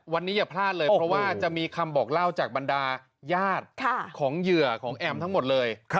วันนี้อย่าพลาดเลยเพราะว่าจะมีคำบอกเล่าจากบรรดาญาติของเหยื่อของแอมทั้งหมดเลย